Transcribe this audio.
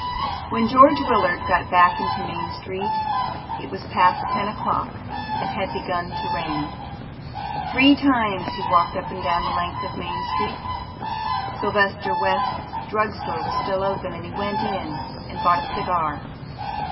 When George Willard got back into Main Street it was past ten o'clock and had begun to rain. Three times he walked up and down the length of Main Street. Sylvester West's Drug Store was still open and he went in and bought a cigar.